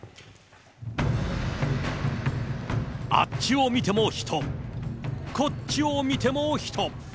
あっちを見ても人、こっちを見ても人。